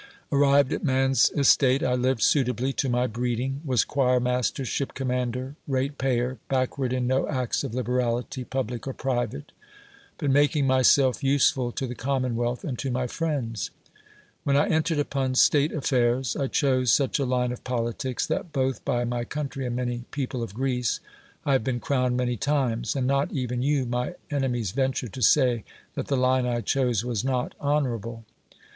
Arrived at man's es tate, I lived suitably to my breeding; was choir master, ship commander, rate payer; backward in no acts of liberality public or private, but making myself useful to the commonwealth and to my friends. When I entered upon state af fairs, I chose such a line of politics, that both by my country and many people of Greece I have been crowned many times, and not even you my enemies venture to say that the line I chose was not honorable.